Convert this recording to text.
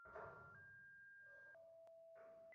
ওটা বুঝি আমার উপর হল?